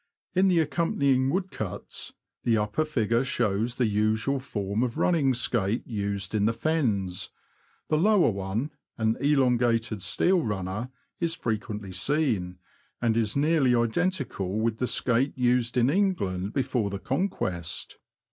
In the accompanying woodcuts, the upper figure shows the usual form of running skate used in the Fens : the lower one — an elongated steel runner — is frequently seen, and is nearly identical NORWICH TO YARMOUTH. Ill with the skate used in England before the Conquest.